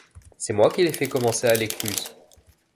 C’est moi qui l’ai fait commencer à l’Écluse.